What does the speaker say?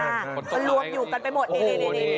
มันรวมอยู่กันไปหมดนี่